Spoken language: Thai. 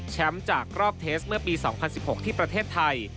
จากรอบเทสเมื่อปี๒๐๑๖ที่ประเทศไทย